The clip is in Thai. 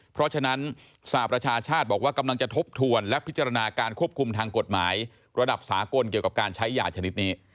เพราะฉะนั้นสหประชาชาติบอกว่ากำลังจะทบทวนและพิจารณาการควบคุมทางกฎหมายระดับสากลเกี่ยวกับการใช้ยาชนิดนี้